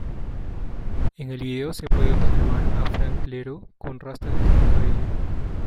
En el video se puede observar a Frank Iero con rastas en el cabello.